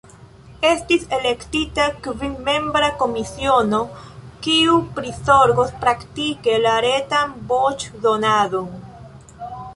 Estis elektita kvinmembra komisiono, kiu prizorgos praktike la retan voĉdonadon.